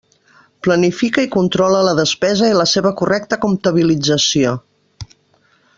Planifica i controla la despesa i la seva correcta comptabilització.